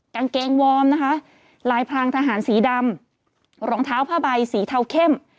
กางเกงวอร์มนะคะลายพรางทหารสีดำรองเท้าผ้าใบสีเทาเข้ม